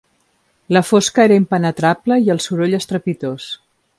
La fosca era impenetrable i el soroll estrepitós